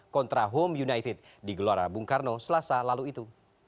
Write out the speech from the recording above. kontra home united di gelora bung karno selasa lalu itu